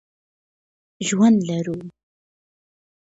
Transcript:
ژوند لرو.